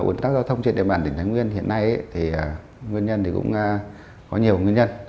ồn tắc giao thông trên địa bàn đỉnh thái nguyên hiện nay thì nguyên nhân thì cũng có nhiều nguyên nhân